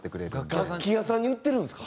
楽器屋さんに売ってるんですか？